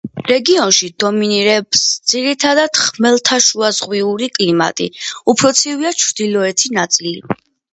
რეგიონში დომინირებს ძირითადად ხმელთაშუაზღვიური კლიმატი, უფრო ცივია ჩრდილოეთი ნაწილი.